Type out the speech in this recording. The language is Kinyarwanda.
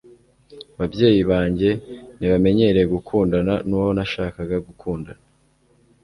Ababyeyi banjye ntibanyemereye gukundana nuwo nashakaga gukundana